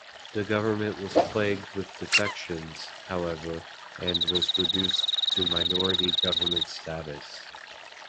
The government was plagued with defections, however, and was reduced to minority government status.